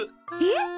えっ！？